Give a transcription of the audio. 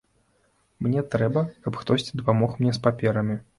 Мне трэба, каб хтосьці дапамог мне з паперамі.